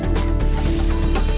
kenapa bisa begitu